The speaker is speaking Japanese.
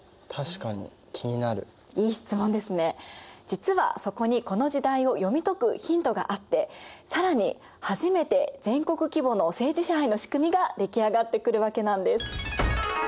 実はそこにこの時代を読み解くヒントがあって更に初めて全国規模の政治支配の仕組みが出来上がってくるわけなんです。